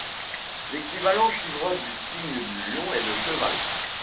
L'équivalent chinois du signe du Lion est le cheval.